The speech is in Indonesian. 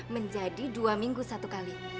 menjadi dua minggu satu kali